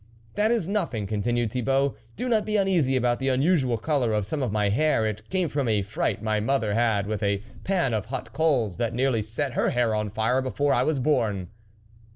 " That is nothing," continued Thibault, "do not be uneasy about the unusual colour of some of my hair ; it came from a fright my mother had with a pan of hot coals, that nearly set her hair on fire be fore I was born."